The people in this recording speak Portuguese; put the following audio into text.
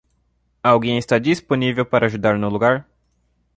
Alguém está disponível para ajudar no lugar?